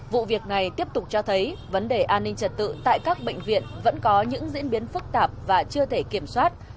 vụ việc này tiếp tục cho thấy vấn đề an ninh trật tự tại các bệnh viện vẫn có những diễn biến phức tạp và chưa thể kiểm soát